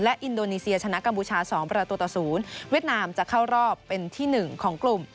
อินโดนีเซียชนะกัมพูชา๒ประตูต่อ๐เวียดนามจะเข้ารอบเป็นที่๑ของกลุ่ม